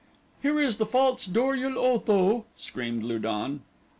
"Here is the false Dor ul Otho," screamed Lu don.